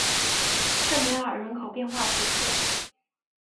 圣梅尔人口变化图示